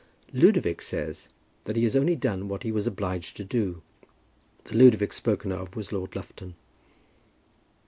"Ludovic says that he has only done what he was obliged to do." The Ludovic spoken of was Lord Lufton.